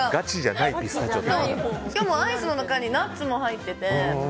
アイスの中にナッツも入ってて。